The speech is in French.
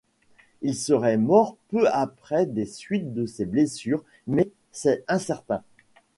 Il serait mort peu après des suites de ses blessures mais c'est incertain.